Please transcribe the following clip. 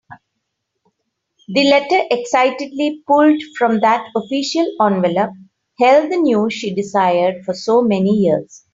The letter excitedly pulled from that official envelope held the news she desired for so many years.